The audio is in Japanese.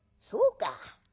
「そうか。